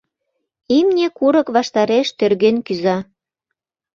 Имне курык ваштареш тӧрген кӱза.